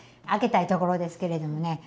開けたいところですけれどもね